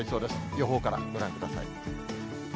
予報からご覧ください。